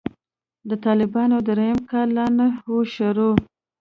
د طالبانو درېيم کال لا نه و شروع.